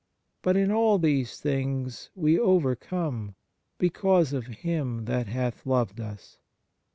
But in all these things we overcome because of Him that hath loved us."